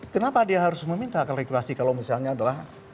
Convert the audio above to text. kenapa dia harus meminta kalkulasi kalau misalnya adalah